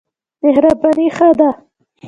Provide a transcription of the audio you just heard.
مهرباني ښه ده.